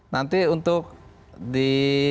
nanti untuk di